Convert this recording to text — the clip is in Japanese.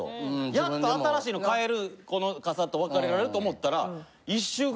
やっと新しいの買えるこの傘と別れられると思ったら。